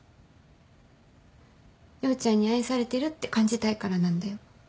陽ちゃんに愛されてるって感じたいからなんだよ。